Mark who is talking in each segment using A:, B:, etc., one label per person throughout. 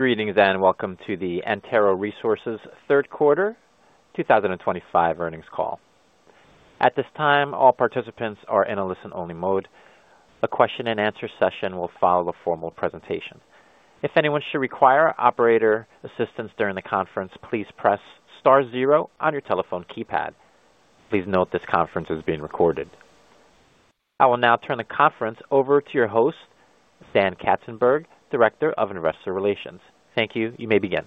A: Greetings and welcome to the Antero Resources third quarter 2025 earnings call. At this time, all participants are in a listen-only mode. A question and answer session will follow a formal presentation. If anyone should require operator assistance during the conference, please press star zero on your telephone keypad. Please note this conference is being recorded. I will now turn the conference over to your host, Dan Katzenberg, Director of Investor Relations. Thank you. You may begin.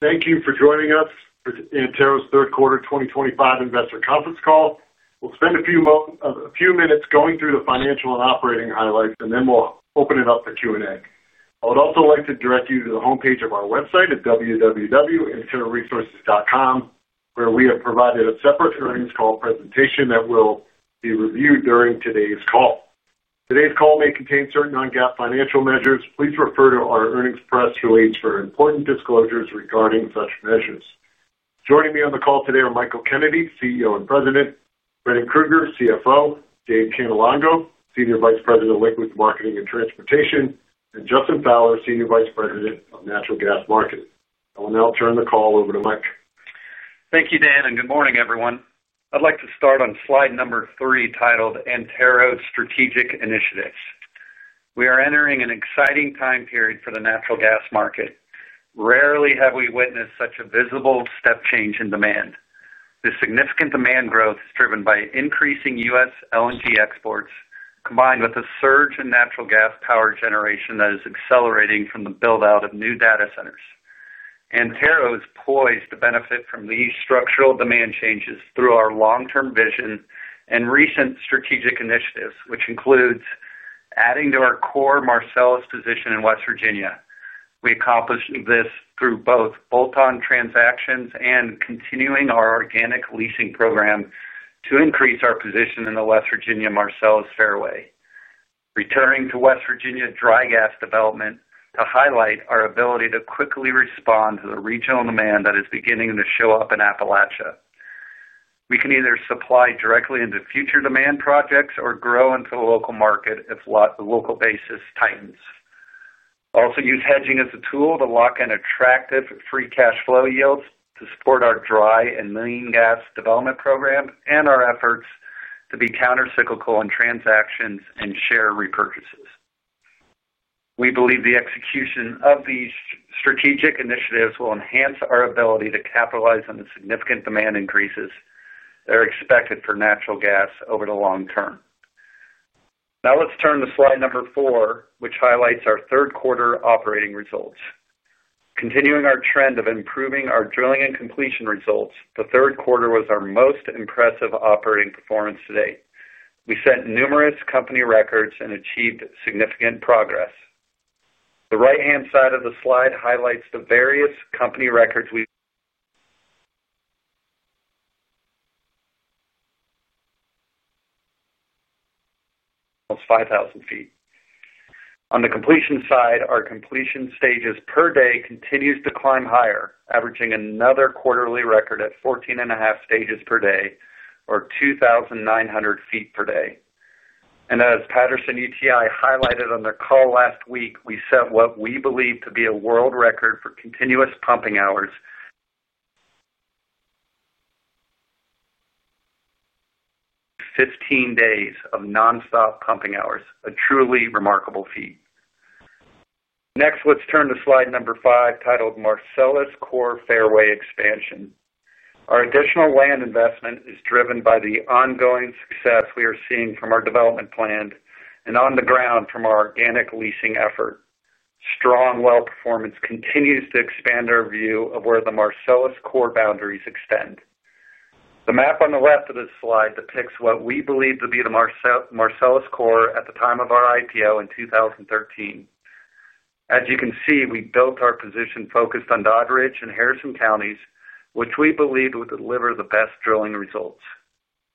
B: Thank you for joining us for Antero's third quarter 2025 investor conference call. We'll spend a few minutes going through the financial and operating highlights and then we'll open it up for Q&A. I would also like to direct you to the homepage of our website at www.anteroresources.com where we have provided a separate earnings call presentation that will be reviewed during today's call. Today's call may contain certain non-GAAP financial measures. Please refer to our earnings press release for important disclosures regarding such measures. Joining me on the call today are Michael Kennedy, CEO and President; Brendan Krueger, CFO; Dave Cannelongo, Senior Vice President of Liquids Marketing and Transportation; and Justin Fowler, Senior Vice President of Natural Gas Marketing. I will now turn the call over to Mike.
C: Thank you, Dan, and good morning everyone. I'd like to start on slide number three, titled Antero Strategic Initiatives. We are entering an exciting time period for the natural gas market. Rarely have we witnessed such a visible step change in demand. This significant demand growth is driven by increasing US LNG exports combined with a surge in natural gas power generation that is accelerating from the buildout of new data centers. Antero is poised to benefit from these structural demand changes through our long-term vision and recent strategic initiatives, which include adding to our core Marcellus position in West Virginia. We accomplished this through both bolt-on transactions and continuing our organic leasing program to increase our position in the West Virginia Marcellus Fairway. Returning to West Virginia dry gas development to highlight our ability to quickly respond to the regional demand that is beginning to show up in Appalachia. We can either supply directly into future demand projects or grow into the local market if local basis tightens. Also, use hedging as a tool to lock in attractive free cash flow yields to support our dry and lean gas development program and our efforts to be countercyclical in transactions and share repurchases. We believe the execution of these strategic initiatives will enhance our ability to capitalize on the significant demand increases that are expected for natural gas over the long term. Now let's turn to slide number four, which highlights our third quarter operating results. Continuing our trend of improving our drilling and completion results, the third quarter was our most impressive operating performance to date. We set numerous company records and achieved significant progress. The right-hand side of the slide highlights the various company records. We almost 5,000 ft on the completion side, our completion stages per day continues to climb higher, averaging another quarterly record at 14.5 stages per day or 2,900 ft per day. As Patterson-UTI highlighted on their call last week, we set what we believe to be a world record for continuous pumping hours, 15 days of nonstop pumping hours. A truly remarkable feat. Next, let's turn to slide number five, titled Marcellus Core Fairway Expansion. Our additional land investment is driven by the ongoing success we are seeing from our development plan and on the ground from our organic leasing effort. Strong well performance continues to expand our view of where the Marcellus Core boundaries extend. The map on the left of this slide depicts what we believe to be the Marcellus Core at the time of our IPO in 2013. As you can see, we built our position focused on Doddridge and Harrison counties, which we believe will deliver the best drilling results.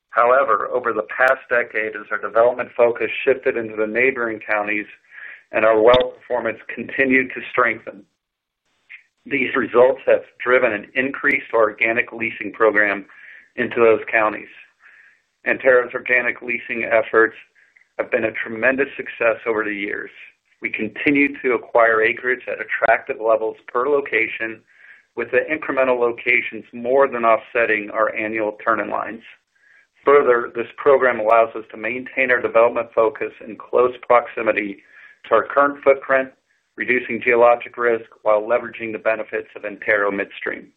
C: However, over the past decade, as our development focus shifted into the neighboring counties and our well performance continued to strengthen, these results have driven an increased organic leasing program into those counties. Antero's organic leasing efforts have been a tremendous success over the years. We continue to acquire acreage at attractive levels per location, with the incremental locations more than offsetting our annual turn in lines. Further, this program allows us to maintain our development focus in close proximity to our current footprint, reducing geologic risk while leveraging the benefits of Antero midstream.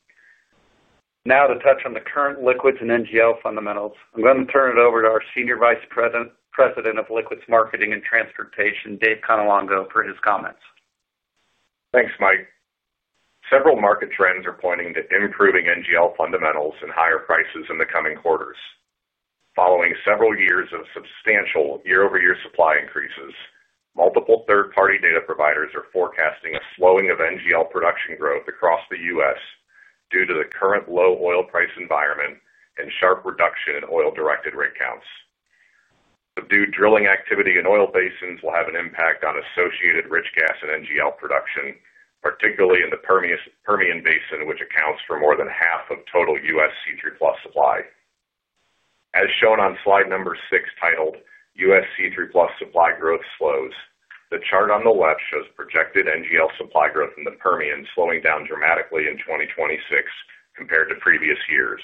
C: Now to touch on the current liquids and NGL fundamentals, I'm going to turn it over to our Senior Vice President of Liquids Marketing and Transportation, Dave Cannelongo, for his comments.
D: Thanks Mike. Several market trends are pointing to improving NGL fundamentals and higher prices in the coming quarters following several years of substantial year-over-year supply increases. Multiple third-party data providers are forecasting a slowing of NGL production growth across the U.S. due to the current low oil price environment and sharp reduction in oil-directed rig counts. Subdued drilling activity in oil basins will have an impact on associated rich gas and NGL production, particularly in the Permian Basin, which accounts for more than half of total U.S. C3+ supply as shown on slide number six, titled U.S. C3+ Supply Growth Slows. The chart on the left shows projected NGL supply growth in the Permian slowing down dramatically in 2026 compared to previous years.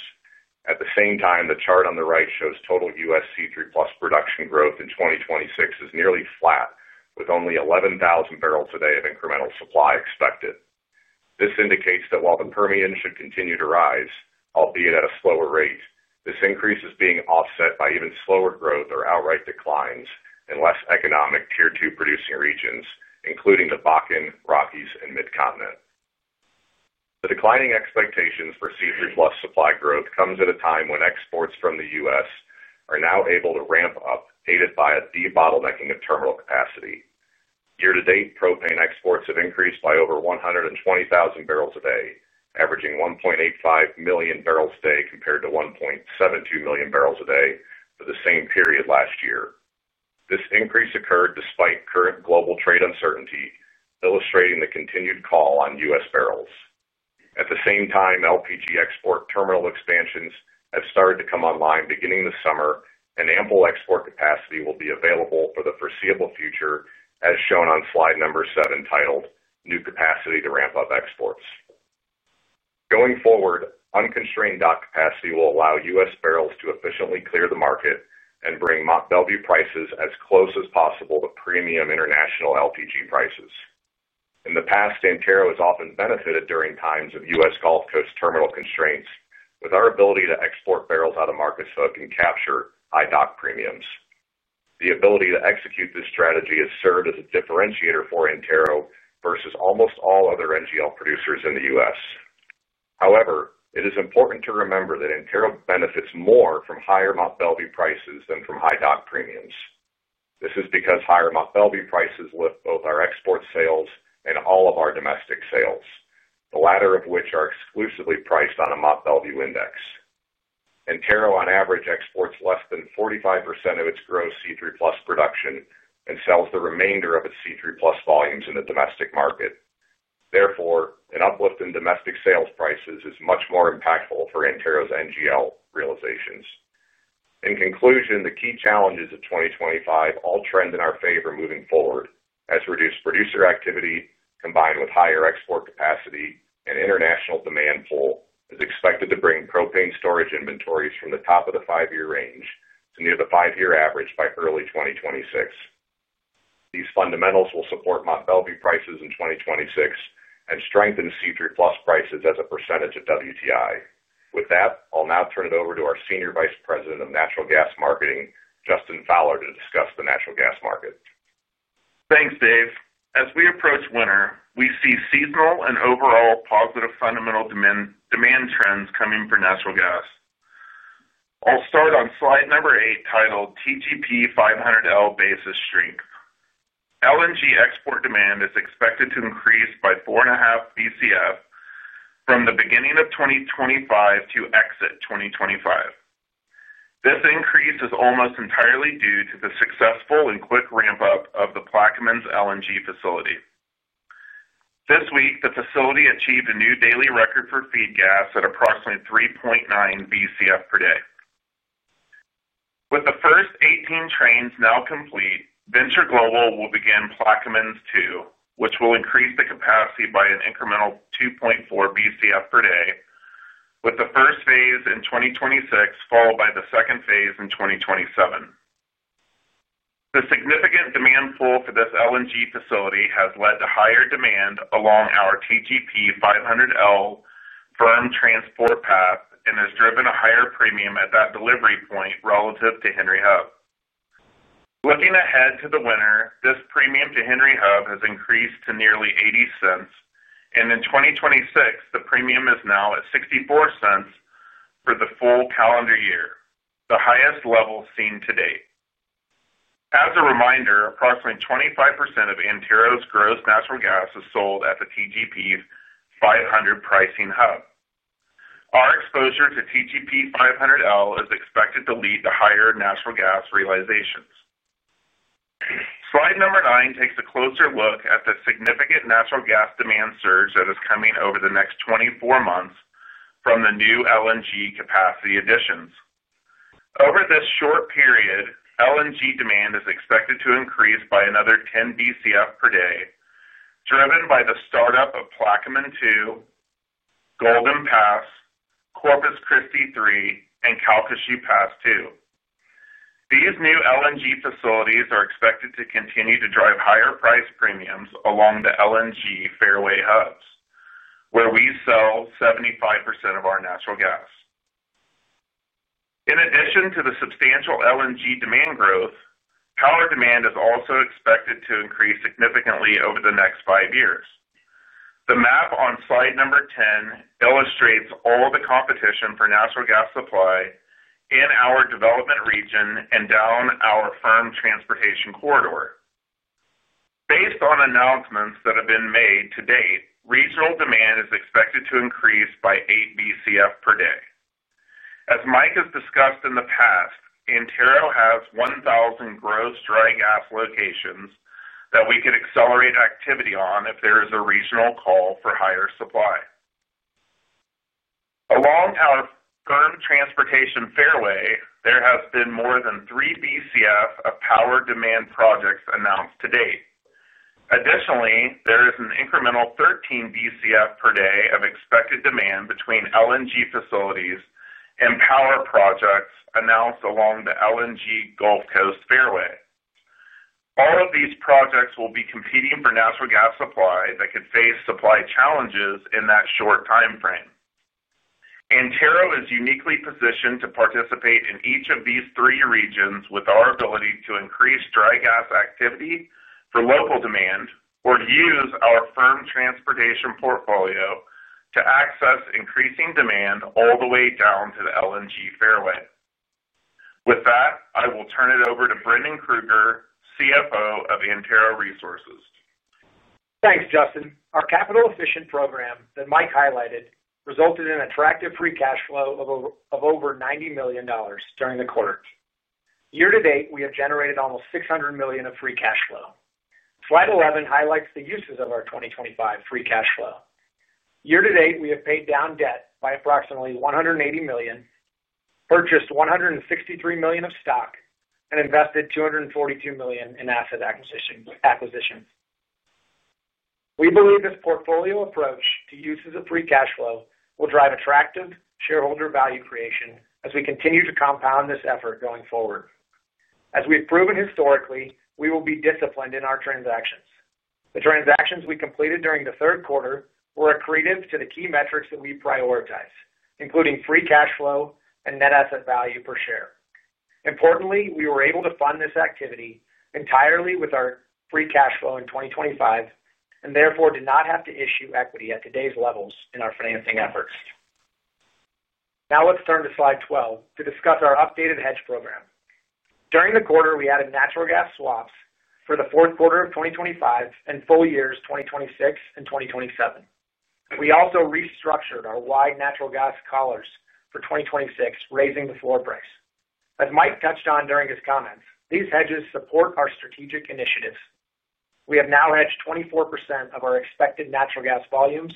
D: At the same time, the chart on the right shows total U.S. C3+ production growth in 2026 is nearly flat, with only 11,000 bbl a day of incremental supply expected. This indicates that while the Permian should continue to rise, albeit at a slower rate, this increase is being offset by even slower growth or outright declines in less economic tier 2 producing regions, including the Bakken, Rockies, and Mid-Continent. The declining expectations for C3+ supply growth comes at a time when exports from the U.S. are now able to ramp up, aided by a debottlenecking of terminal capacity. Year to date, propane exports have increased by over 120,000 bbl a day, averaging 1.85 million bbl a day, compared to 1.72 million bbl a day for the same period last year. This increase occurred despite current global trade uncertainty, illustrating the continued call on U.S. barrels. At the same time, LPG export terminal expansions have started to come online beginning this summer and ample export capacity will be available for the foreseeable future, as shown on slide number seven, titled New Capacity to Ramp Up Exports. Going forward, unconstrained dock capacity will allow U.S. barrels to efficiently clear the market and bring Mont Belvieu prices as close as possible to premium international LPG prices. In the past, Antero has often benefited during times of U.S. Gulf Coast terminal constraints with our ability to export bbl out of market so it can capture high dock premiums. The ability to execute this strategy has served as a differentiator for Antero versus almost all other NGL producers in the U.S. However, it is important to remember that Antero benefits more from higher Mont Belvieu prices than from high dock premiums. This is because higher Mont Belvieu prices lift both our export sales and all of our domestic sales, the latter of which are exclusively priced on a Mont Belvieu index. Antero on average exports less than 45% of its gross C3+ production and sells the remainder of its C3+ volumes in the domestic market. Therefore, an uplift in domestic sales prices is much more impactful for Antero's NGL realizations. In conclusion, the key challenges of 2025 all trend in our favor moving forward as reduced producer activity combined with higher export capacity and international demand pull is expected to bring propane storage inventories from the top of the 5-year range to near the 5-year average by early 2026. These fundamentals will support Mont Belvieu prices in 2026 and strengthen C3+ prices as a percentage of WTI. With that, I'll now turn it over to our Senior Vice President of Natural Gas Marketing, Justin Fowler, to discuss the natural gas market.
E: Thanks, Dave. As we approach winter, we see seasonal and overall positive fundamental demand trends coming for natural gas. I'll start on slide number eight, titled TGP 500L Basis Strength. LNG export demand is expected to increase by 4.5 Bcf from the beginning of 2025 to exit 2025. This increase is almost entirely due to the successful and quick ramp up of the Plaquemines LNG facility. This week the facility achieved a new daily record for feed gas at approximately 3.9 Bcf per day. With the first 18 trains now complete, Venture Global will begin Plaquemines 2, which will increase the capacity by an incremental 2.4 Bcf per day, with the first phase in 2026 followed by the second phase in 2027. The significant demand pull for this LNG facility has led to higher demand along our TGP 500L firm transport path and has driven a higher premium at that delivery point relative to Henry Hub. Looking ahead to the winter, this premium to Henry Hub has increased to nearly $0.80 and in 2026 the premium is now at $0.64 for the full calendar year, the highest level seen to date. As a reminder, approximately 25% of Antero's gross natural gas is sold at the TGP 500 pricing hub. Our exposure to TGP 500L is expected to lead to higher natural gas realizations. Slide number nine takes a closer look at the significant natural gas demand surge that is coming over the next four months from the new LNG capacity additions. Over this short period, LNG demand is expected to increase by another 10 Bcf per day, driven by the startup of Plaquemines 2, Golden Pass, Corpus Christi 3, and Calcasieu Pass 2. These new LNG facilities are expected to continue to drive higher price premiums along the LNG fairway hubs where we sell 75% of our natural gas. In addition to the substantial LNG demand growth, power demand is also expected to increase significantly over the next five years. The map on slide number 10 illustrates all the competition for natural gas supply in our development region and down our firm transportation corridor. Based on announcements that have been made to date, regional demand is expected to increase by 8 Bcf per day. As Mike has discussed in the past, Antero has 1,000 gross dry gas locations that we could accelerate activity on if there is a regional call for higher supply. Along our firm transportation fairway, there has been more than 3 Bcf of power demand projects announced to date. Additionally, there is an incremental 13 Bcf per day of expected demand between LNG facilities and power projects announced along the LNG Gulf Coast Fairway. All of these projects will be competing for natural gas supply that could face supply challenges in that short timeframe. Antero is uniquely positioned to participate in each of these three regions with our ability to increase dry gas activity for local demand or use our firm transportation portfolio to access increasing demand all the way down to the LNG Fairway. With that, I will turn it over to Brendan Krueger, CFO of Antero Resources.
F: Thanks, Justin. Our capital efficient program that Mike highlighted resulted in attractive free cash flow of over $90 million. During the quarter, year to date, we have generated almost $600 million of free cash flow. Slide 11 highlights the uses of our 2025 free cash flow. Year to date, we have paid down debt by approximately $180 million, purchased $163 million of stock, and invested $242 million in asset acquisitions. We believe this portfolio approach to uses of free cash flow will drive attractive shareholder value creation as we continue to compound this effort going forward. As we've proven historically, we will be disciplined in our transactions. The transactions we completed during the third quarter were accretive to the key metrics that we prioritize, including free cash flow and net asset value per share. Importantly, we were able to fund this activity entirely with our free cash flow in 2025 and therefore did not have to issue equity at today's levels in our financing efforts. Now let's turn to slide 12 to discuss our updated hedge program. During the quarter, we added natural gas swaps for the fourth quarter of 2025 and full years 2026 and 2027. We also restructured our wide natural gas collars for 2026, raising the floor price. As Mike touched on during his comments, these hedges support our strategic initiatives. We have now hedged 24% of our expected natural gas volumes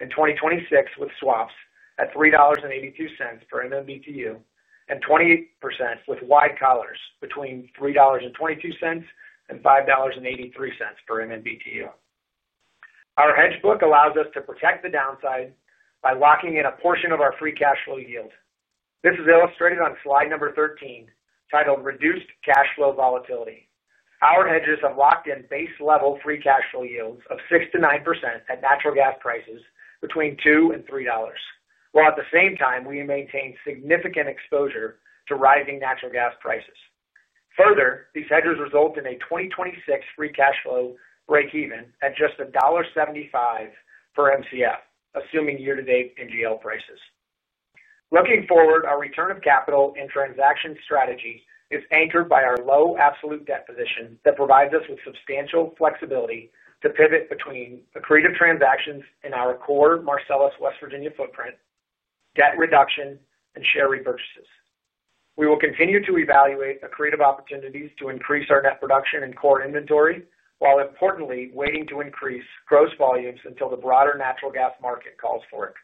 F: in 2026 with swaps at $3.82 per MMBtu and 28% with wide collars between $3.22 and $5.83 per MMBtu. Our hedge book allows us to protect the downside by locking in a portion of our free cash flow yield. This is illustrated on slide number 13, titled Reduced Cash Flow Volatility. Our hedges have locked in base level free cash flow yields of 6%-9% at natural gas prices between $2 and $3, while at the same time we maintain significant exposure to rising natural gas prices. Further, these hedges result in a 2026 free cash flow break even at just $1.75 per MCF assuming year to date NGL prices. Looking forward, our return of capital and transaction strategy is anchored by our low absolute debt position that provides us with substantial flexibility to pivot between accretive transactions in our core Marcellus West Virginia footprint, debt reduction and share repurchases. We will continue to evaluate accretive opportunities to increase our net production and core inventory while importantly waiting to increase gross volumes until the broader natural gas market calls for it.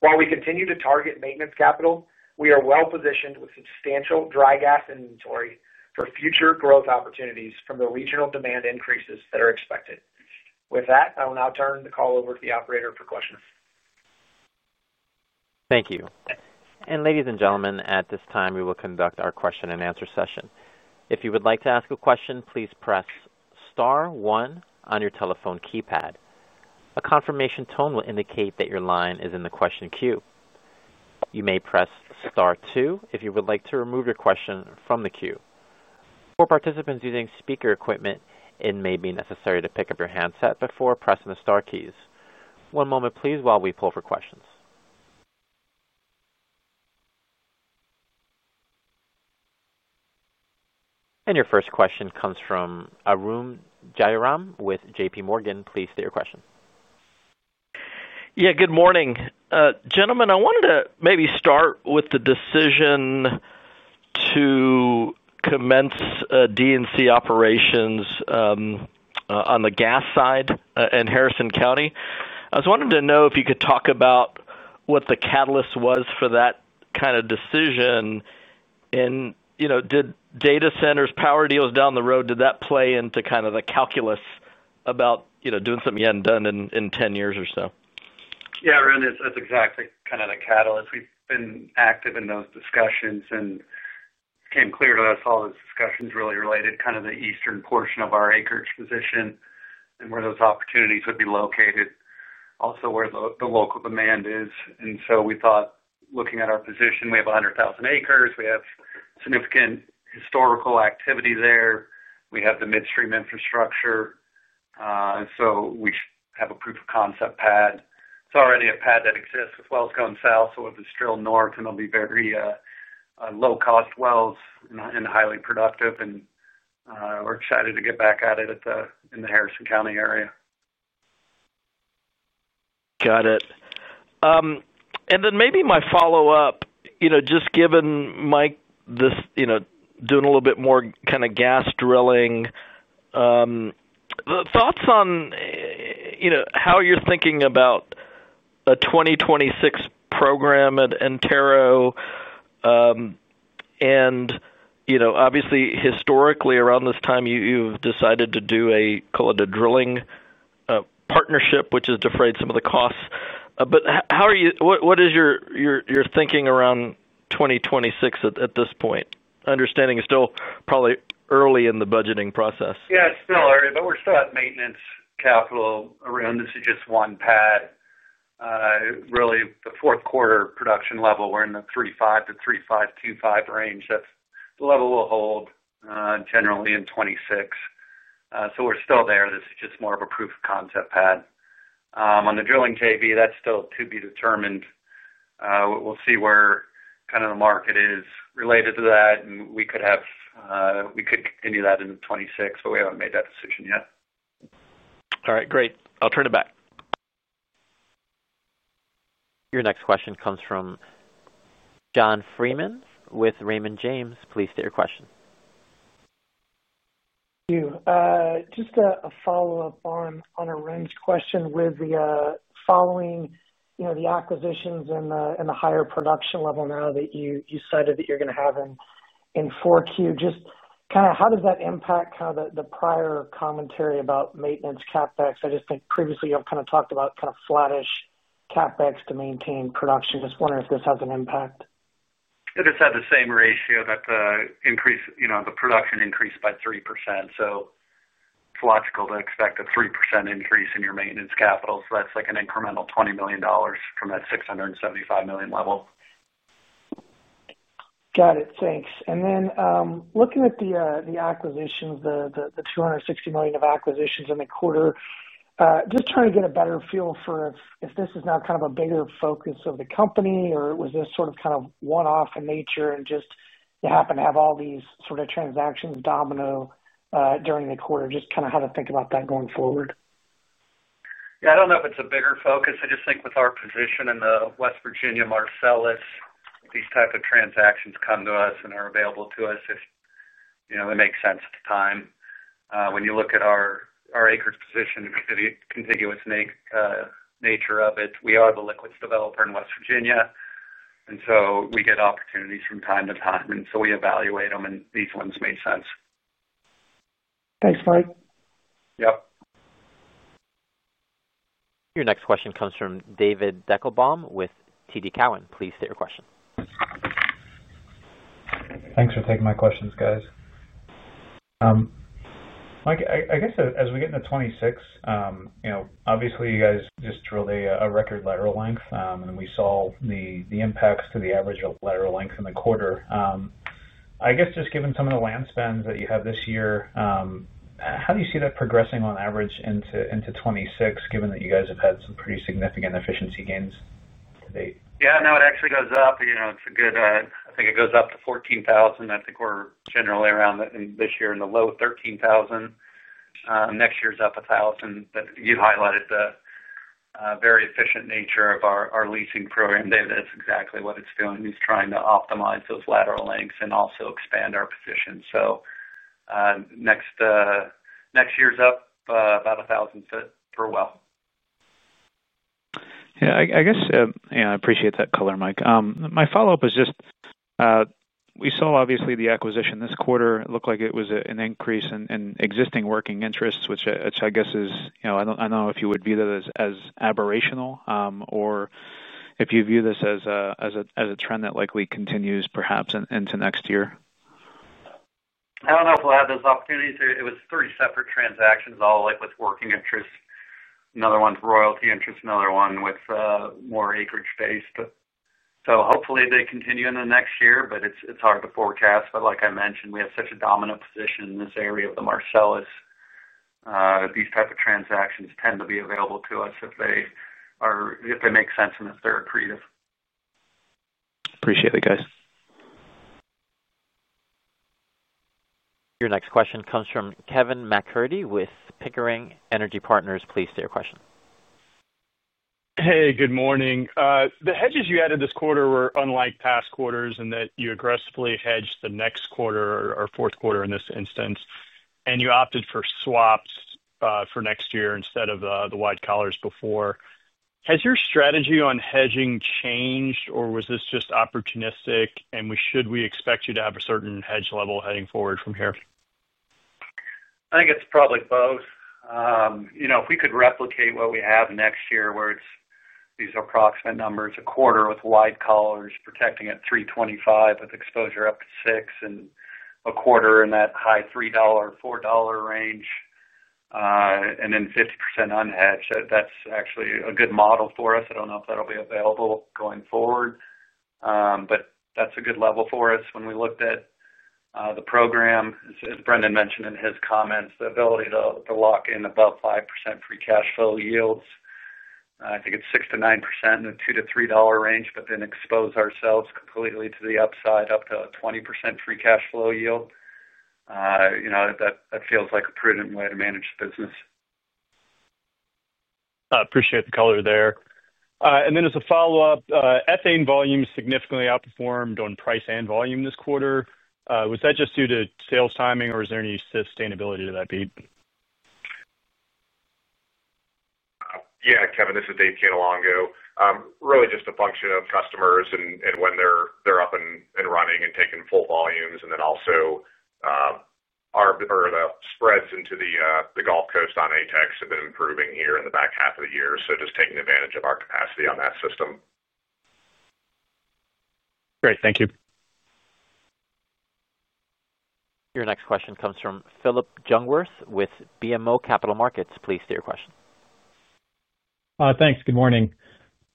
F: While we continue to target maintenance capital, we are well positioned with substantial dry gas inventory for future growth opportunities from the regional demand increases that are expected. With that, I will now turn the call over to the operator for questions.
A: Thank you. Ladies and gentlemen, at this time we will conduct our question and answer session. If you would like to ask a question, please press star one on your telephone keypad. A confirmation tone will indicate that your line is in the question queue. You may press star two if you would like to remove your question from the queue. For participants using speaker equipment, it may be necessary to pick up your handset before pressing the star keys. One moment please while we poll for questions. Your first question comes from Arun Jayaram with JPMorgan. Please state your question.
G: Yeah, good morning gentlemen. I wanted to maybe start with the decision to commence drilling and completion operations on the gas side in Harrison County. I was wanting to know if you could talk about what the catalyst was for that kind of decision. Did data centers, power deals down the road, did that play into the calculus about doing something you hadn't done in 10 years or so?
C: Yeah, that's exactly the catalyst. We've been active in those discussions and it became clear to us all those discussions really related to the eastern portion of our acreage position and where those opportunities would be located, also where the local demand is. We thought looking at our position, we have 100,000 acres, we have significant historical activity there, we have the midstream infrastructure. We have a proof-of-concept pad. It's already a pad that exists with wells going south. If it's drilled north, it'll be very low-cost wells and highly productive and we're excited to get back at it in the Harrison County area.
G: Got it. Maybe my follow-up, just given Mike, this doing a little bit more gas drilling. Thoughts on how you're thinking about a 2026 program at Antero and obviously historically around this time you've decided to do a, call it a drilling partnership, which has defrayed some of the costs. What is your thinking around 2026 at this point? Understanding it's still probably early in the budgeting process.
C: Yeah, it's still early, but we're still at maintenance capital around. This is just one pad, really the fourth quarter production level. We're in the 3.5-3.525 range. That's the level we'll hold generally in 2026. We're still there. This is just more of a proof-of-concept pad. On the drilling JV, that's still to be determined. We'll see where the market is related to that and we could continue that in 2026, but we haven't made that decision yet.
G: All right, great. I'll turn it back.
A: Your next question comes from John Freeman with Raymond James. Please state your question.
H: Thank you. Just a follow-up on Arun's question with the following. The acquisitions and the higher production level now that you cited that you're going to have in 4Q, just kind of how does that impact the prior commentary about maintenance CapEx? I just think previously you've kind of talked about kind of flattish CapEx to maintain production. Just wondering if this has an impact.
C: This had the same ratio that the increase, you know, the production increased by 3%. It's logical to expect a 3% increase in your maintenance capital. That's like an incremental $20 million from that $675 million level.
H: Got it. Thanks. Looking at the acquisitions, the $260 million of acquisitions in the quarter, just trying to get a better feel for if this is now kind of a bigger focus or was this sort of kind of one off in nature and just you happen to have all these sort of transactions domino during the quarter. Just kind of how to think about that going forward.
C: I don't know if it's a bigger focus. I just think with our position in the West Virginia Marcellus, these type of transactions come to us and are available to us if, you know, it makes sense at the time. When you look at our acreage position, contiguous nature of it, we are the liquids developer in West Virginia and we get opportunities from time to time and we evaluate them and these ones made sense.
H: Thanks, Mike.
C: Yep.
A: Your next question comes from David Deckelbaum with TD Cowen. Please state your question.
I: Thanks for taking my questions, guys. Mike, I guess as we get into 2026, you know, obviously you guys just drilled a record lateral length and we saw the impacts to the average lateral length in the quarter. I guess just given some of the land spends that you have this year, how do you see that progressing on average into 2026 given that you guys have had some pretty significant efficiency gains to date?
C: No, it actually goes up. It's a good, I think it goes up to 14,000. I think we're generally around this year in the low 13,000. Next year's up 1,000. You highlighted the very efficient nature of our leasing program, David. That's exactly what it's doing, is trying to optimize those lateral lengths and also expand our position. Next year's up about 1,000 foot per well.
I: I appreciate that color, Mike. My follow up is just we saw obviously the acquisition this quarter looked like it was an increase in existing working interest, which I guess is. I don't know if you would view that as aberrational or if you view this as a trend that likely continues perhaps into next year.
C: I don't know if we'll have those opportunities. It was three separate transactions, all like with working interest. Another one's royalty interest, another one with more acreage based. Hopefully they continue in the next year. It's hard to forecast. Like I mentioned, we have such a dominant position in this area of the Marcellus. These type of transactions tend to be available to us if they, or if it makes sense and if they're accretive.
I: Appreciate it, guys.
A: Your next question comes from Kevin MacCurdy with Pickering Energy Partners. Please take a question.
J: Hey, good morning. The hedges you added this quarter were unlike past quarters in that you aggressively hedged the next quarter or fourth quarter in this instance and you opted for swaps for next year instead of the wide collars before. Has your strategy on hedging changed or was this just opportunistic? Should we expect you to have a certain hedge level heading forward from here?
C: I think it's probably both. If we could replicate what we have next year where it's these approximate numbers, a quarter with wide collars protecting at $3.25 with exposure up to $6.25 in that high $3-$4 range and then 50% unhedged, that's actually a good model for us. I don't know if that'll be available going forward, but that's a good level for us. When we looked at the program, as Brendan Krueger mentioned in his comments, the ability to lock in above 5% free cash flow yields, I think it's 6%-9% in the $2-$3 range, but then expose ourselves completely to the upside, up to 20% free cash flow yield, that feels like a prudent way to manage the business.
J: Appreciate the color there. As a follow up, ethane volume significantly outperformed on price and volume this quarter. Was that just due to sales timing or is there any sustainability to that beat?
D: Yeah, Kevin, this is Dave Cannelongo. Really just a function of customers and when they're up and running and taking full volumes. Also, the spreads into the Gulf Coast on ATEX have been improving here in the back half of the year, just taking advantage of our capacity on that system.
J: Great, thank you.
A: Your next question comes from Philip Jungwirth with BMO Capital Markets. Please state your question.
K: Thanks. Good morning.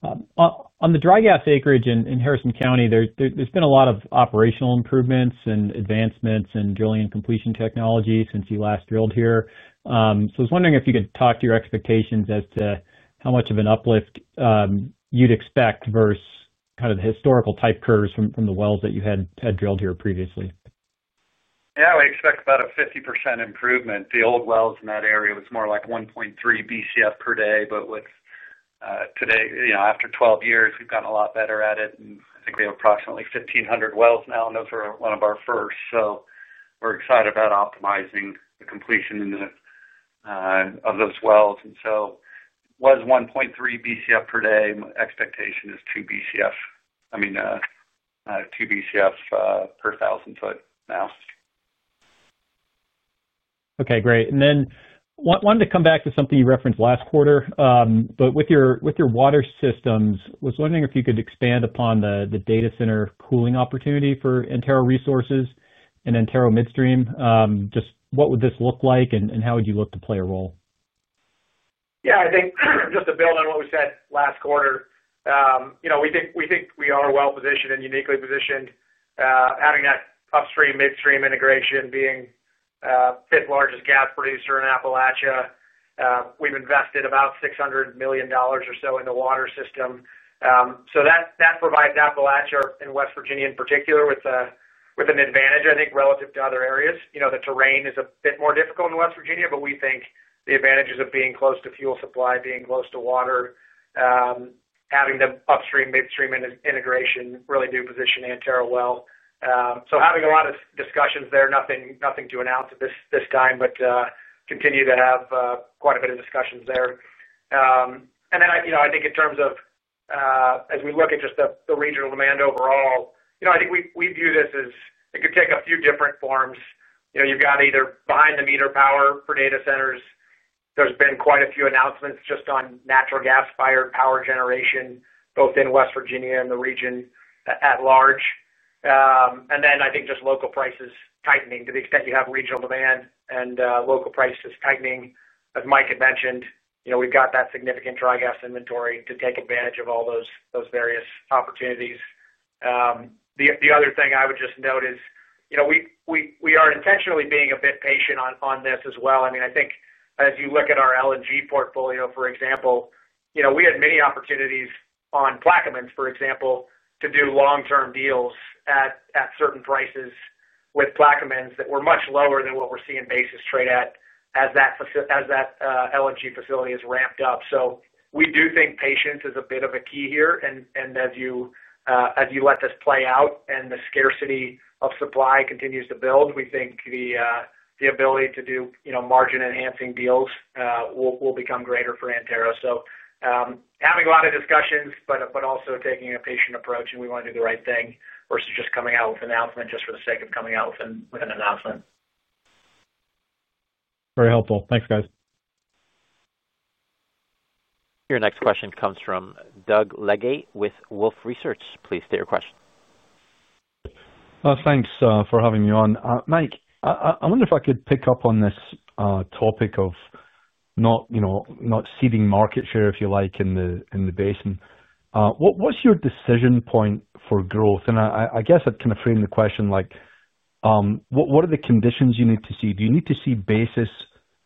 K: On the dry gas acreage in Harrison County, there's been a lot of operational improvements and advancements in drilling and completion technology since you last drilled here. I was wondering if you could talk to your expectations as to how much of an uplift you'd expect versus kind of the historical type curves from the wells that you had drilled here previously.
C: Yeah, we expect about a 50% improvement. The old wells in that area were more like 1.3 Bcf per day. With today, you know, after 12 years, we've gotten a lot better at it. I think we have approximately 1,500 wells now and those are one of our first. We're excited about optimizing the completion of those wells. It was 1.3 Bcf per day. Expectation is 2 Bcf. I mean 2 Bcf per thousand foot now.
K: Okay, great. I wanted to come back to something you referenced last quarter, with your water systems. I was wondering if you could expand upon the data center cooling opportunity for Antero Resources and Antero Midstream. What would this look like and how would you look to play a role?
F: I think just to build on what we said last quarter, we think we are well positioned and uniquely positioned having that upstream midstream integration. Being fifth largest gas producer in Appalachia, we've invested about $600 million or so in the water system. That provides Appalachia and West Virginia in particular with an advantage. I think relative to other areas, the terrain is a bit more difficult in West Virginia, but we think the advantages of being close to fuel supply, being close to water, having the upstream midstream integration really do position Antero well. Having a lot of discussions, there is nothing to announce at this time, but continue to have quite a bit of discussions there. In terms of as we look at just the regional demand overall, I think we view this as it could take a few different forms. You've got either behind the meter power for data centers. There's been quite a few announcements just on natural gas fired power generation both in West Virginia and the region at large. I think just local prices tightening to the extent you have regional demand and local prices tightening. As Mike had mentioned, we've got that significant dry gas inventory to take advantage of all those various opportunities. The other thing I would just note is, you know, we are intentionally being a bit patient on this as well. I mean, I think as you look at our LNG portfolio, for example, we had many opportunities on Plaquemines, for example, to do long-term deals at certain prices with Plaquemines that were much lower than what we're seeing basis trade at as that LNG facility is ramped up. We do think patience is a bit of a key here. As you let this play out and the scarcity of supply continues to build, we think the ability to do margin-enhancing deals will become greater for Antero. Having a lot of discussions but also taking a patient approach, we want to do the right thing versus just coming out with an announcement just for the sake of coming out with an announcement.
K: Very helpful. Thanks, guys.
A: Your next question comes from Doug Leggate with Wolfe Research. Please state your question.
L: Thanks for having me on, Mike. I wonder if I could pick up on this topic of not, you know, not ceding market share, if you like, in the basin. What's your decision point for growth? I guess I'd kind of frame the question like what are the conditions you need to see? Do you need to see basis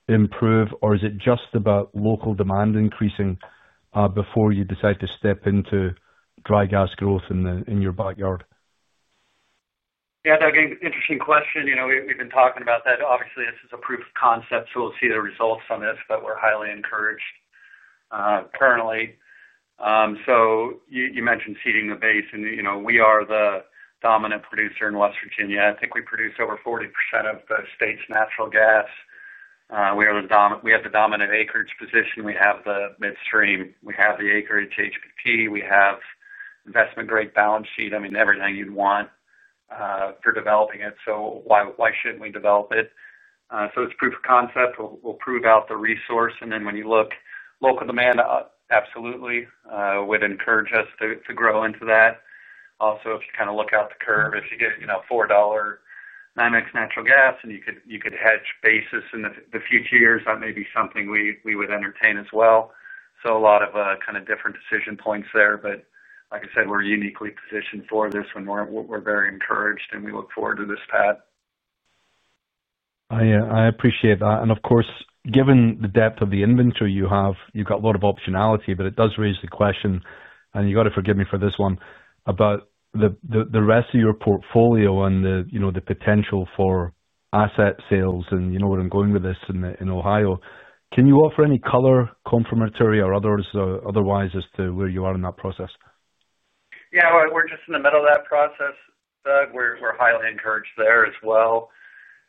L: improve or is it just about local demand increasing before you decide to step into dry gas growth in your backyard?
C: Yeah, Doug, interesting question. We've been talking about that. Obviously, this is a proof-of-concept, so we'll see the results on this. We're highly encouraged currently. You mentioned ceding the basin. We are the dominant producer in West Virginia. I think we produce over 40% of the state's natural gas. We have the dominant acreage position, we have the midstream, we have the acreage HPT, we have investment-grade balance sheet, I mean everything you'd want for developing it. Why shouldn't we develop it? It's proof-of-concept. We'll prove out the resource and then when you look, local demand absolutely would encourage us to grow into that. Also, if you kind of look out the curve, if you get, you know, $4 NYMEX natural gas and you could hedge basis in the future years, that may be something we would entertain as well. A lot of kind of different decision points there, but like I said, we're uniquely positioned for this one. We're very encouraged and we look forward to this paddle.
L: I appreciate that. Of course, given the depth of the inventory you have, you've got a lot of optionality. It does raise the question, and you got to forgive me for this one, about the rest of your portfolio and the potential for asset sales and you know where I'm going with this. In Ohio, can you offer any color, confirmatory or otherwise, as to where you are in that process?
C: Yeah, we're just in the middle of that process, Doug. We're highly encouraged there as well,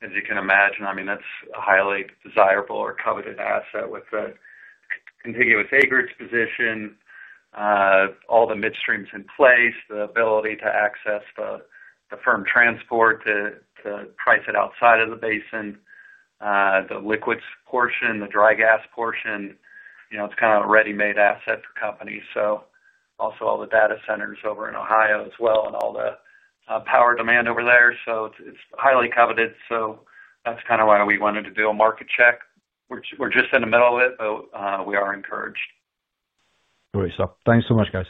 C: as you can imagine. I mean, that's a highly desirable or coveted asset with the contiguous acreage position, all the midstreams in place, the ability to access the firm transport, to price it outside of the basin, the liquids portion, the dry gas portion, you know, it's kind of ready-made asset for companies. Also, all the data centers over in Ohio as well and all the power demand over there. It's highly coveted. That's kind of why we wanted to do a market check. We're just in the middle of it, but we are encouraged.
L: Great. Thanks so much, guys.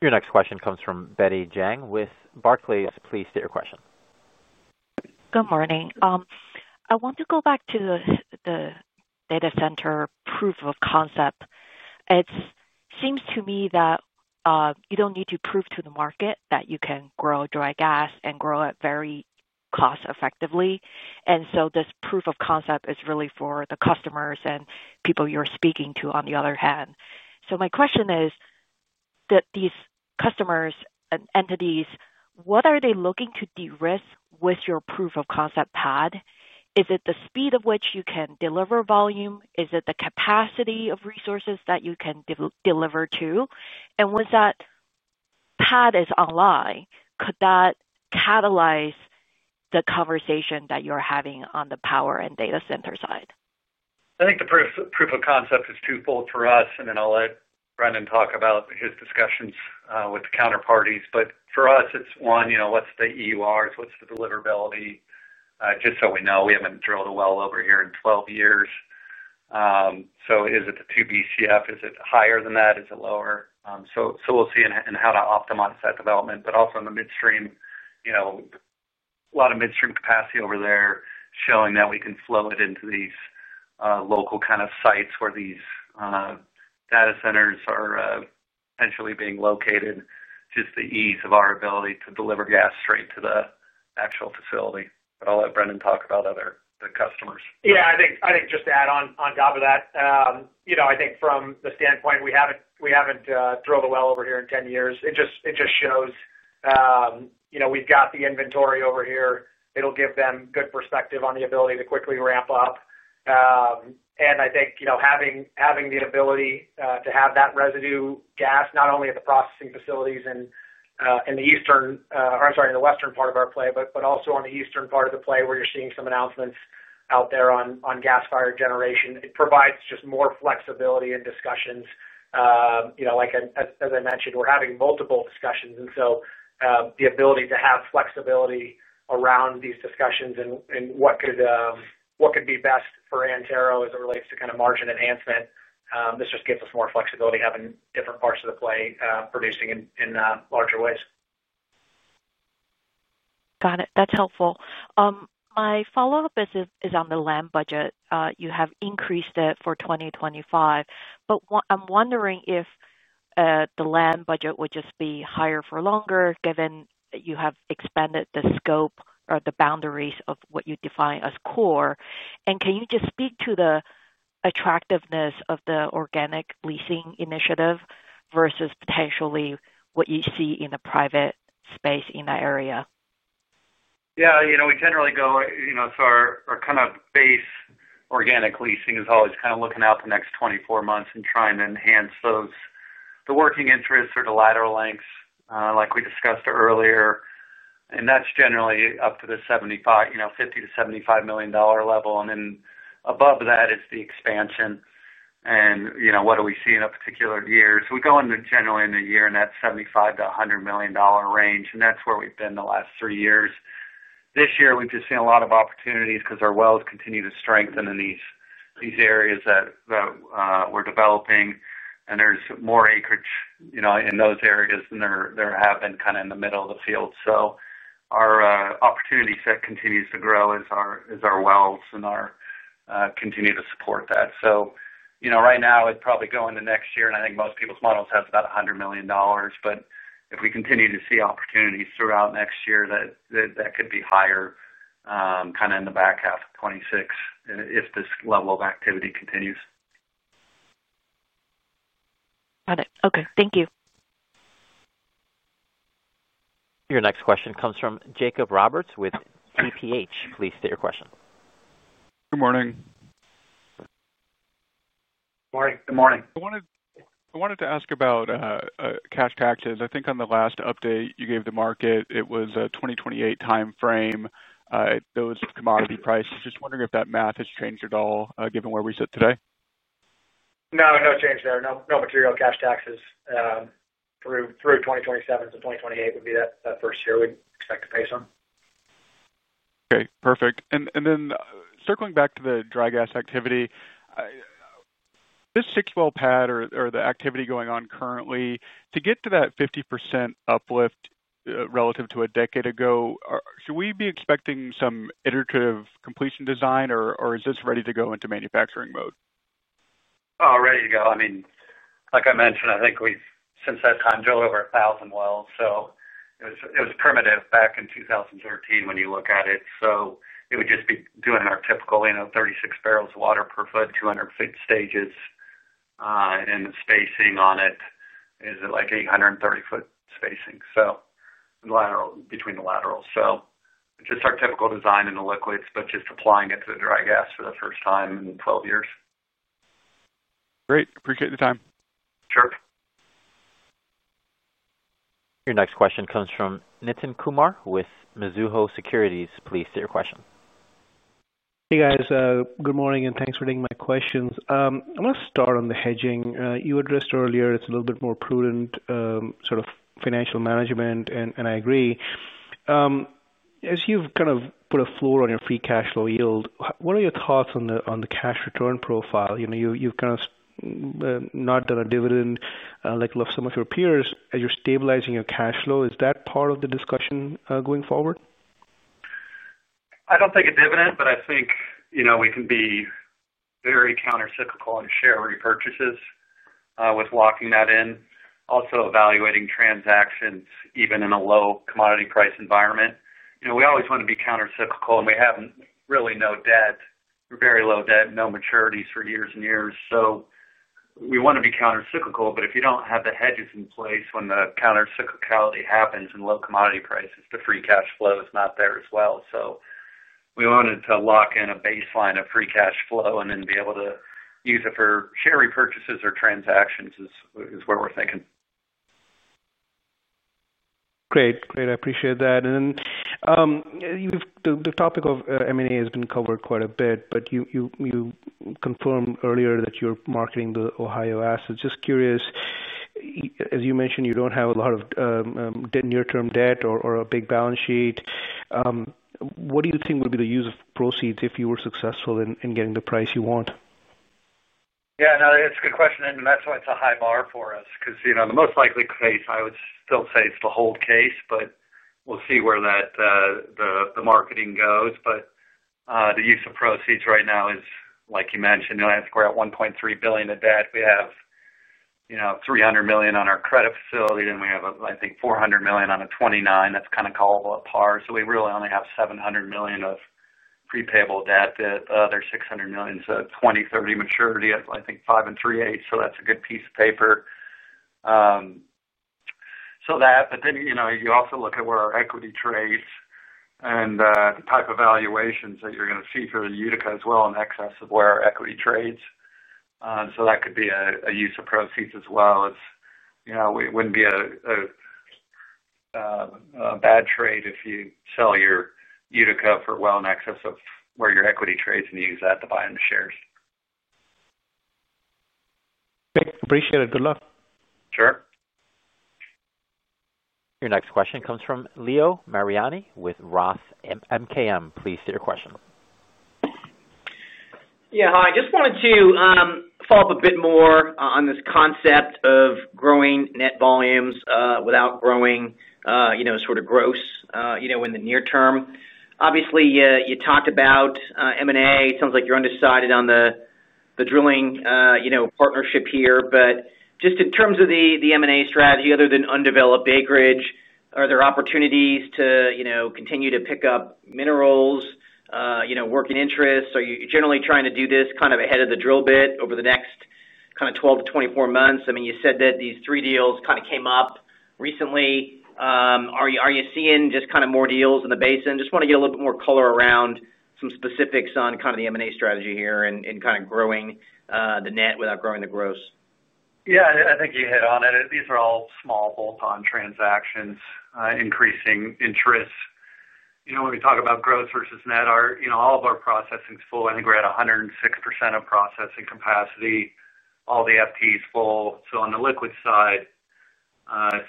A: Your next question comes from Betty Jiang with Barclays. Please state your question.
M: Good morning. I want to go back to the data center proof-of-concept. It seems to me that you don't need to prove to the market that you can grow dry gas and grow it very cost effectively. This proof-of-concept is really for the customers and people you're speaking to on the other hand. My question is that these customers and entities, what are they looking to derisk with your proof-of-concept pad? Is it the speed at which you can deliver volume? Is it the capacity of resources that you can deliver to? Once that pad is online, could that catalyze the conversation that you're having on the power and data center side?
C: I think the proof-of-concept is twofold for us, and then I'll let Brendan talk about his discussions with the counterparties. For us, it's one, what's the EURs? What's the deliverability? Just so we know, we haven't drilled a well over here in 12 years. Is it the 2 BCF, is it higher than that, is it lower? We'll see. How to optimize that development, but also in the midstream, a lot of midstream capacity over there, showing that we can flow it into these local kind of sites where these data centers are potentially being located. Just the ease of our ability to deliver gas straight to the actual facility. I'll let Brendan talk about other customers.
F: Yeah, I think just to add on top of that, I think from the standpoint, we haven't drilled a well over here in 10 years. It just shows we've got the inventory over here. It'll give them good perspective on the ability to quickly ramp up. I think having the ability to have that residue gas not only at the processing facilities in the western part of our play, but also on the eastern part of the play where you're seeing some announcements out there on gas-fired generation, it provides just more flexibility in discussions. Like as I mentioned, we're having multiple discussions and the ability to have flexibility around these discussions and what could be best for Antero as it relates to kind of margin enhancement. This just gives us more flexibility, having different parts of the play producing in larger ways.
M: Got it. That's helpful. My follow-up is on the land budget. You have increased it for 2025, but I'm wondering if the land budget would just be higher for longer given you have expanded the scope or the boundaries of what you define as core. Can you just speak to the attractiveness of the organic leasing initiative versus potentially what you see in a private space in that area?
C: Yeah, we generally go, so our kind of base organic leasing is always kind of looking out the next 24 months and trying to enhance those, the working interests or the lateral lengths like we discussed earlier. That's generally up to the $75 million, you know, $50 million-$75 million level. Above that is the expansion and what do we see in a particular year. We go into generally in the year in that $75 million-$100 million range, and that's where we've been the last three years. This year we've just seen a lot of opportunities because our wells continue to strengthen in these areas that we're developing, and there's more acreage in those areas than there have been kind of in the middle of the field. Our opportunity set continues to grow as our wells and our continue to support that. Right now it'd probably go into next year and I think most people's models have about $100 million, but if we continue to see opportunities throughout next year that could be higher, kind of in the back half of 2026 if this level of activity continues.
M: Got it. Okay, thank you.
A: Your next question comes from Jacob Roberts with TPH. Please state your question.
N: Good morning.
C: Good morning.
N: I wanted to ask about cash taxes. I think on the last update you gave the market, it was a 2028 time frame. Those commodity prices. Just wondering if that math has changed at all given where we sit today.
F: No, no change there. No material cash taxes through 2027-2028 would be that first year we expect to pay some.
N: Okay, perfect. And then circling back to the dry gas activity. This six well pad or the activity going on currently to get to that 50% uplift relative to a decade ago. Should we be expecting some iterative completion design or is this ready to go into manufacturing mode?
C: Ready to go. I mean, like I mentioned, I think we've since that time drilled over a thousand wells. It was primitive back in 2013 when you look at it. It would just be doing our typical, you know, 36 bbl of water per foot, 200 foot stages. The spacing on it, is it like 830 foot spacing? Lateral between the laterals. Just our typical design in the liquids, but just applying it to the dry gas for the first time in 12 years.
N: Great. Appreciate the time.
C: Sure.
A: Your next question comes from Nitin Kumar with Mizuho Securities. Please state your question.
O: Hey guys. Good morning and thanks for taking my questions. I want to start on the hedging you addressed earlier. It's a little bit more prudent sort of financial management. I agree. As you've kind of put a floor on your free cash flow yield, what are your thoughts on the cash return profile? You know, you've kind of not done a dividend like some of your peers as you're stabilizing your cash flow. Is that part of the discussion going forward?
C: I don't think a dividend, but I think we can be very countercyclical on share repurchases with locking that in, also evaluating transactions even in a low commodity price environment. We always want to be countercyclical and we have really no debt, very low debt, no maturities for years and years. We want to be countercyclical. If you don't have the hedges in place when the counter cyclicality happens in low commodity prices, the free cash flow is not there as well. We wanted to lock in a baseline of free cash flow and then be able to use it for share repurchases or transactions is where we're thinking.
O: Great, great, I appreciate that. The topic of M&A has been covered quite a bit, but you confirmed earlier that you're marketing the Ohio assets. Just curious, as you mentioned, you don't have a lot of near term debt or a big balance sheet. What do you think would be the use of proceeds if you were successful in getting the price you want?
C: Yeah, it's a good question and that's why it's a high bar for us because, you know, the most likely case, I would still say it's the hold case, but we'll see where the marketing goes. The use of proceeds right now is like you mentioned, we're at $1.3 billion of debt. We have $300 million on our credit facility. Then we have, I think, $400 million on a 2029 that's kind of callable, at par. We really only have $700 million of prepayable debt. There's $600 million, so 2030 maturity, I think 5 and 3/8. That's a good piece of paper. You also look at where our equity trades and the type of valuations that you're going to see for the Utica as well in excess of where equity trades. That could be a use of proceeds as well. It wouldn't be a bad trade if you sell your Utica for well in excess of where your equity trades and use that to buy into shares.
O: Appreciate it. Good luck.
C: Sure.
A: Your next question comes from Leo Mariani with ROTH and MKM. Please state your question.
P: Yeah, hi. I just wanted to follow up a bit more on this concept of growing net volumes without growing, you know, sort of gross, you know, in the near term. Obviously you talked about M&A. Sounds like you're undecided on the drilling partnership here, but just in terms of the M&A strategy. Other than undeveloped acreage, are there opportunities to continue to pick up minerals, working interest? Are you generally trying to do this kind of ahead of the drill bit over the next kind of 12 to 24 months? You said that these three deals kind of came up recently. Are you seeing just kind of more deals in the basin? Just want to get a little bit more color around some specifics on the M&A strategy here and kind of growing the net without growing the gross.
C: Yeah, I think you hit on it. These are all small bolt-on transactions, increasing interest. When we talk about gross versus net, all of our processing is full. I think we're at 106% of processing capacity. All the FT's full. On the liquid side,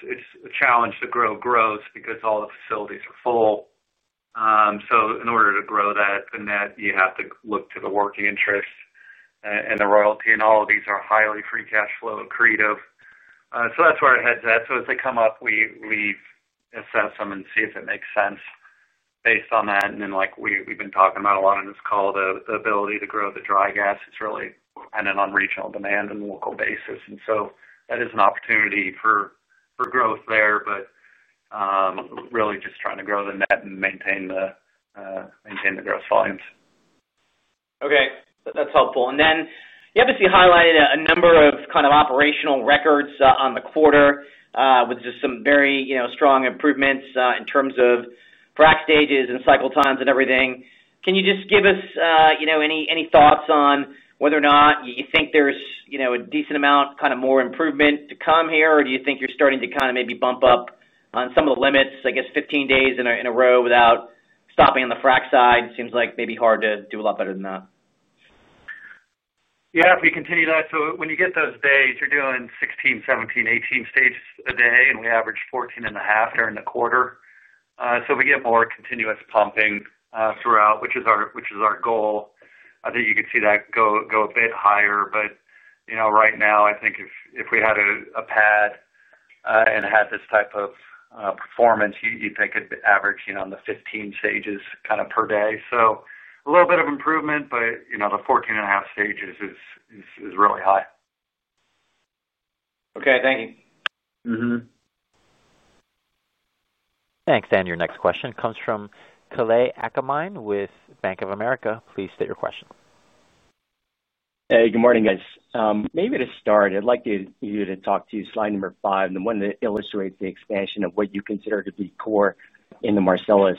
C: it's a challenge to grow gross because all the facilities are full. In order to grow that you have to look to the working interest and the royalty. All of these are highly free cash flow accretive. That's where our head's at. As they come up, we assess them and see if it makes sense based on that. Like we've been talking about a lot on this call, the ability to grow the dry gas, it's really on regional demand and local basis. That is an opportunity for growth there. Really just trying to grow the net and maintain the gross volumes.
P: Okay, that's helpful. You obviously highlighted a number of kind of operational records on the quarter with just some very strong improvements in terms of frac stages and cycle times and everything. Can you just give us any thoughts on whether or not you think there's a decent amount, kind of more improvement to come here, or do you think you're starting to kind of maybe bump up on some of the limits? I guess 15 days in a row without stopping on the frac side seems like maybe hard to do a lot better than that.
C: Yeah, if we continue that. When you get those days, you're doing 16, 17, 18 stages a day. We averaged 14.5 during the quarter, so we get more continuous pumping throughout, which is our goal. I think you could see that go a bit higher. Right now I think if we had a pad and had this type of performance, you'd think it'd be averaging on the 15 stages kind of per day. A little bit of improvement. The 14.5 stages is really high.
P: Okay, thank you.
A: Thanks, Dan. Your next question comes from Kalei Akamine with Bank of America. Please state your question.
Q: Hey, good morning, guys. Maybe to start, I'd like you to talk to slide number five and the one that illustrates the expansion of what you consider to be core in the Marcellus.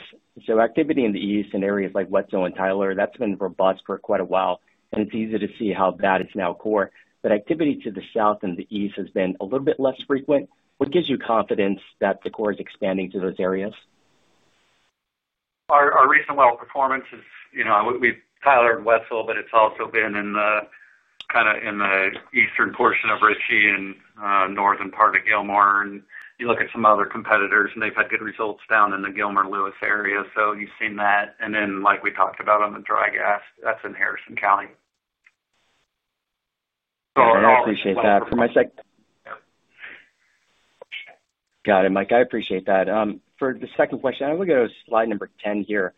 Q: Activity in the east in areas like Wetzel and Tyler, that's been robust for quite a while and it's easy to see how that is now core. Activity to the south and the east has been a little bit less frequent. What gives you confidence that the core is expanding to those areas?
C: Our recent well performance is, you know, we, Tyler and Wetzel, but it's also been in the kind of in the eastern portion of Richey and northern part of Gilmore and you look at some other competitors and they've had good results down in the Gilmer Lewis area. You see, seen that. Like we talked about on the dry gas that's in Harrison County.
Q: I appreciate that for my second. Got it, Mike. I appreciate that for the second question. I'll go slide number 10 here.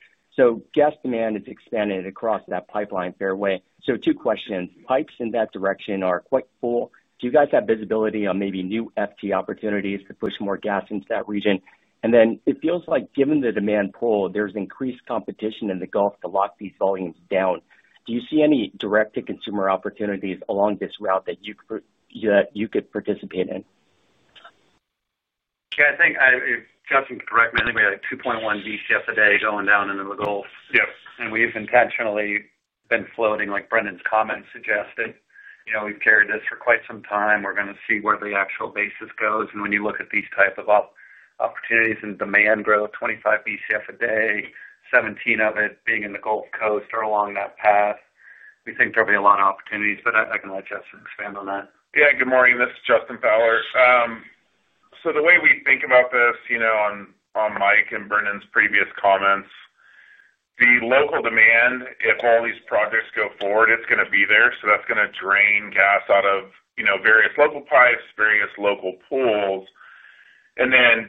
Q: Gas demand is expanded across that pipeline fairway. Two questions. Pipes in that direction are quite full. Do you guys have visibility on maybe new FT opportunities to push more gas into that region? It feels like given the demand pull, there's increased competition in the Gulf to lock these volumes down. Do you see any direct to consumer opportunities along this route that you could participate in?
C: I think, Justin, correct me, I think we had 2.1 Bcf a day going down into the Gulf.
E: Yes.
C: We've intentionally been floating like Brendan's comments suggested. We've carried this for quite some time. We're going to see where the actual basis goes. When you look at these type of opportunities in demand growth, 25 Bcf a day, 17 Bcf of it being in the Gulf Coast or along that path, we think there'll be a lot of opportunities. I can let Justin expand on that.
E: Good morning, this is Justin Fowler. The way we think about this, on Mike and Brendan's previous comments, the local demand, if all these projects go forward, it's going to be there. That's going to drain gas out of various local pipes, various local pools.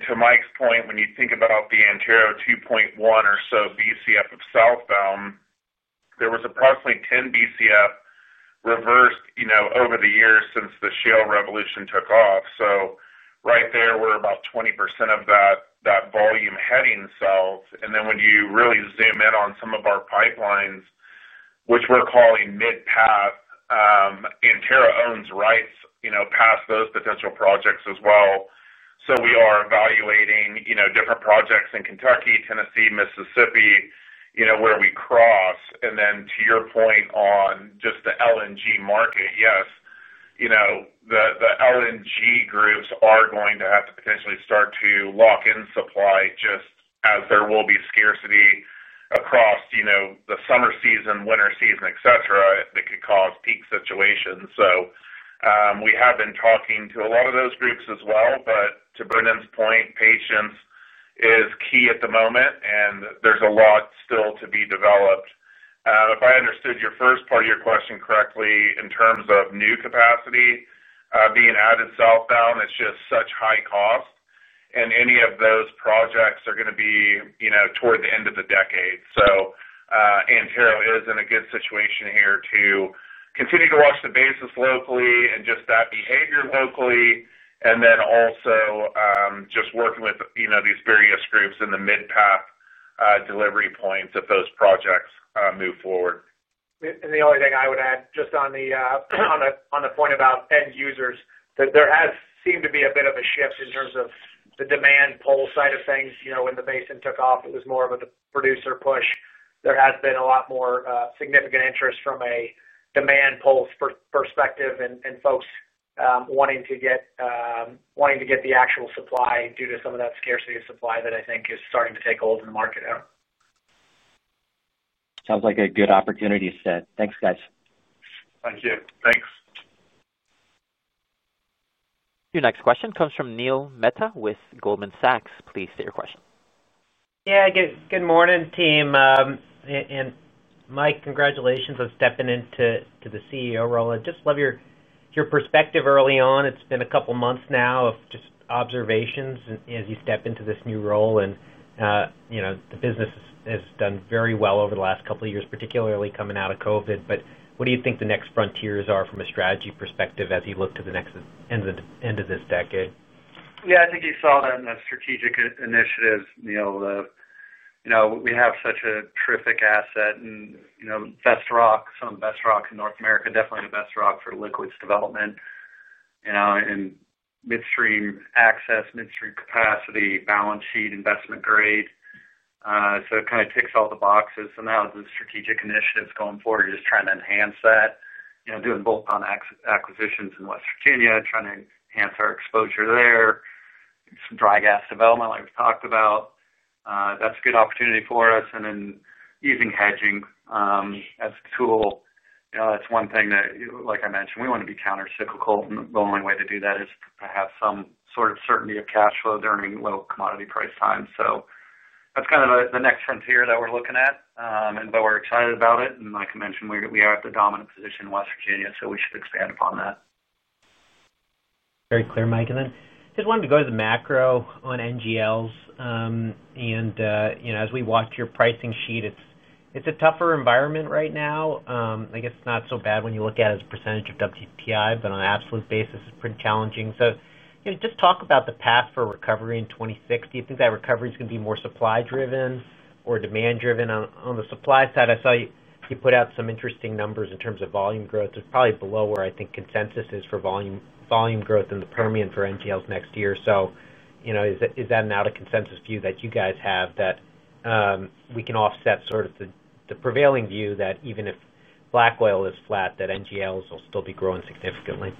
E: To Mike's point, when you think about the Antero 2.1 or so Bcf of southbound, there was approximately 10 Bcf reversed over the years since the shale revolution took off. Right there we're about 20% of that volume heading south. When you really zoom in on some of our pipelines, which we're calling Midpath, Antero owns rights past those potential projects as well. We are evaluating different projects in Kentucky, Tennessee, Mississippi, where we cross. To your point, on just the LNG market, the LNG groups are going to have to potentially start to lock in supply just as there will be scarcity across the summer season, winter season, et cetera, that could cause peak situations. We have been talking to a lot of those groups as well. To Brendan's point, patience is key at the moment and there's a lot still to be developed. If I understood your first part of your question correctly, in terms of new capacity being added southbound, it's just such high cost and any of those projects are going to be toward the end of the decade. Antero is in a good situation here to continue to watch the basis locally and just that behavior locally and then also just working with these various groups in the midpath delivery points if those projects move forward.
F: The only thing I would add just on the point about end users, there has seemed to be a bit of a shift in terms of the demand pull side of things. When the Basin took off, it was more of a producer push. There has been a lot more significant interest from a demand pull perspective and folks wanting to get the actual supply due to some of that scarcity of supply that I think is starting to take hold in the market now.
Q: Sounds like a good opportunity set. Thanks guys.
C: Thank you.
F: Thanks.
A: Your next question comes from Neil Mehta with Goldman Sachs. Please take your question.
R: Yeah, good morning team and Mike, congratulations on stepping into the CEO role. I just love your perspective early on. It's been a couple months now of just observations as you step into this new role and the business has done very well over the last couple of years, particularly coming out of COVID. What do you think the next frontiers are from a strategy perspective as you look to the next end of this decade?
C: Yeah, I think you saw that in the strategic initiatives, Neil. We have such a terrific asset and, you know, best rock, some of the best rock in North America, definitely the best rock for liquids development, in midstream access, midstream capacity, balance sheet, investment grade. It kind of ticks all the boxes. The strategic initiatives going forward are just trying to enhance that, doing bolt-on acquisitions in West Virginia, trying to enhance our exposure there, some dry gas development like we've talked about, that's a good opportunity for us. Using hedging as a tool, that's one thing that, like I mentioned, we want to be countercyclical. One way to do that is perhaps have some sort of certainty of cash flow during low commodity price times. That's kind of the next frontier that we're looking at. We're excited about it and, like I mentioned, we are at the dominant position in West Virginia. We should expand upon that.
R: Very clear, Mike. I just wanted to go to the macro on NGLs and, as we watch your pricing sheet, it's a tougher environment right now. I guess it's not so bad when you look at as much percentage of WTI, but on an absolute basis it's pretty challenging. Just talk about the path for recovery in 2016. Do you think that recovery is going to be more supply driven or demand driven? On the supply side, I saw you put out some interesting numbers in terms of volume growth. It's probably below where I think consensus is for volume, volume growth in the Permian for NGLs next year. Is that an out of consensus view that you guys have that we can offset sort of the prevailing view that even if black oil is flat, NGLs will still be growing significantly?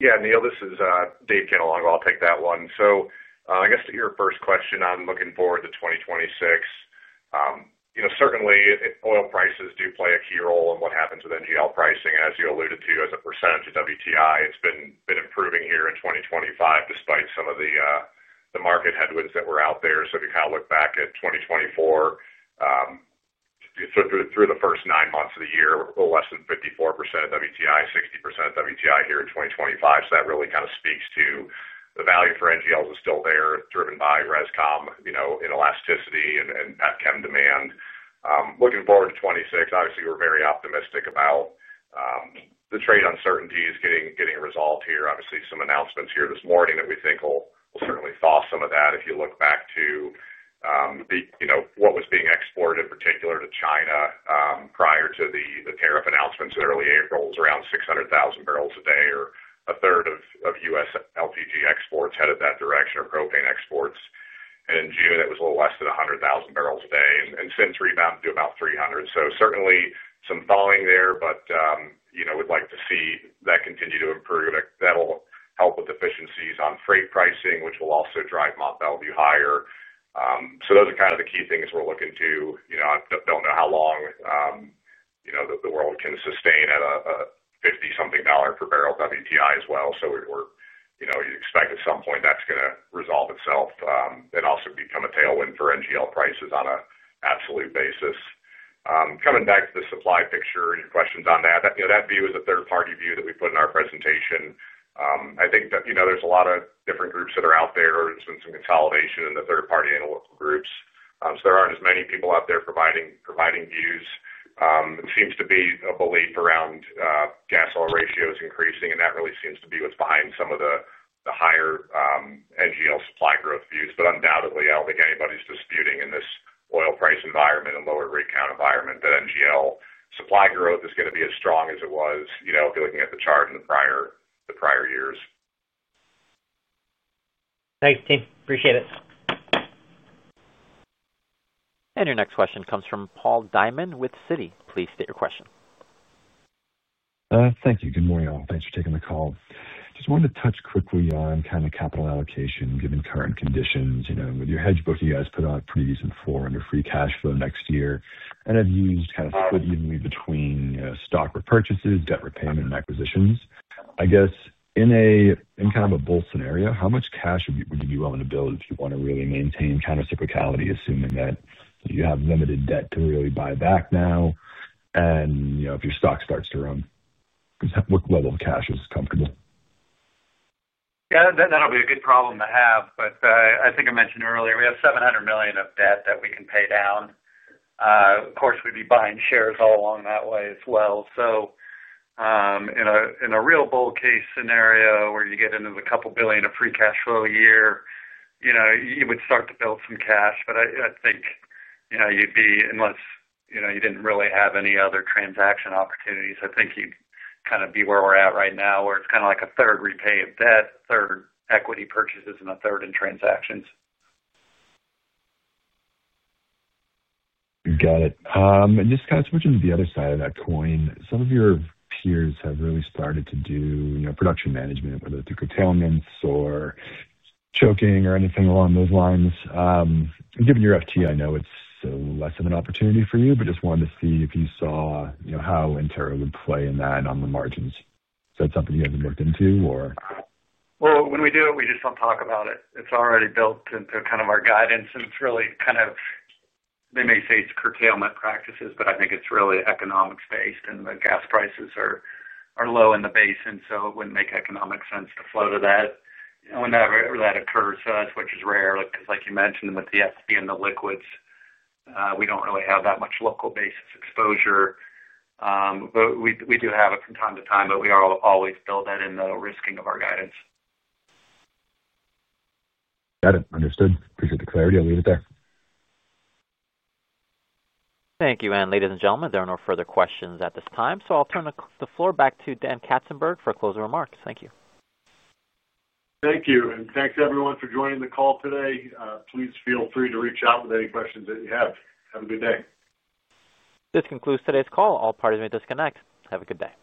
D: Yeah. Neil, this is Dave Cannelongo. I'll take that one. To your first question on looking forward to 2026, oil prices do play a key role in what happens with NGL pricing. As you alluded to as a percentage of WTI, it's been improving here in 2025 despite some of the market headwinds that were out there. If you look back at 2024 through the first nine months of the year, a little less than 54% of WTI, 60% of WTI here in 2025. That really speaks to the value for NGLs is still there, driven by Rescom, inelasticity and F chem demand. Looking forward to 2026, we're very optimistic about the trade uncertainty getting resolved here. Some announcements this morning we think will certainly thaw some of that. If you look back to what was being exported in particular to China prior to the tariff announcements in early April, it was around 600,000 bbl a day or 1/3 of U.S. LPG exports headed that direction of propane exports. In June it was a little less than 100,000 bbl a day and since rebounded to about 300,000. Certainly some thawing there, but we'd like to see that continue to improve. That will help with efficiencies on freight pricing, which will also drive Mont Belvieu higher. Those are the key things we're looking to. I don't know how long the world can sustain at a $50-something per barrel WTI as well. You expect at some point that's going to resolve itself. It also becomes a tailwind for NGL prices on an absolute basis. Coming back to the supply picture and your questions on that, that view is a third-party view that we've put in our presentation. There are a lot of different groups that are out there. There's been some consolidation in the third-party analytical groups, so there aren't as many people out there providing views. It seems to be a belief around gas oil ratios increasing and that really seems to be what's behind some of the higher NGL supply growth views. Undoubtedly, I don't think anybody's disputing in this oil price environment and lower rig count environment that NGL supply growth is going to be as strong as it was if you're looking at the chart in the prior years.
R: Thanks team. Appreciate it.
A: Your next question comes from Paul Diamond with Citi. Please state your question.
S: Thank you. Good morning all. Thanks for taking the call. Just wanted to touch quickly on kind of capital allocation given current conditions. You know, with your hedge book, you guys put on a pretty decent $400 million free cash flow next year and have used evenly between stock repurchases, debt repayment, and acquisitions. I guess in kind of a bull scenario, how much cash would you be willing to build if you want to really maintain countercyclicality, assuming that you have limited debt to really buy back now and if your stock starts to run, what level of cash is comfortable?
C: Yeah, that'll be a good problem to have. I think I mentioned earlier we have $700 million of debt that we can pay down. Of course, we'd be buying shares all along that way as well. In a real bull case scenario where you get into a couple billion of free cash flow a year, you would start to build some cash. I think, unless you didn't really have any other transaction opportunities, you'd kind of be where we're at right now where it's kind of like a third repay of debt, a third equity purchases, and a third in transactions.
S: Got it. Just kind of switching to the other side of that coin. Some of your peers have really started to do production management, whether it's curtailments or choking or anything along those lines. Given your FT, I know it's less of an opportunity for you, but just wanted to see if you saw how Antero would play in that on the margins. Is that something you haven't looked into or—
C: When we do it, we just don't talk about it. It's already built into our guidance and it's really kind of—they may say it's curtailment practices, but I think it's really economics based. The gas prices are low in the basin so it wouldn't make economic sense to flow to that whenever that occurs, which is rare. Like you mentioned, with the FT and the liquids, we don't really have that much local basis exposure, but we do have it from time to time. We always build that in the risking of our guidance.
S: Got it? Understood. Appreciate the clarity. I'll leave it there.
A: Thank you. Ladies and gentlemen, there are no further questions at this time. I'll turn the floor back to Dan Katzenberg for closing remarks. Thank you.
B: Thank you. Thanks everyone for joining the call today. Please feel free to reach out with any questions that you have. Have a good day.
A: This concludes today's call. All parties may disconnect. Have a good day.